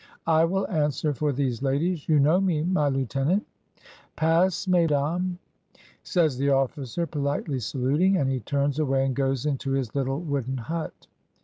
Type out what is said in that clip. I will answer for these ladies. You know me, my lieutenant." "Pass, mesdames," says the officer, politely salut ing, and he turns away and goes into his little wooden hut.